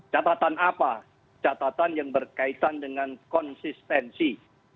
catatan apa catatan yang berkaitan dengan konsistensi